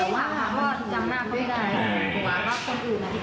ก็คิดว่าเกิดอะไรขึ้น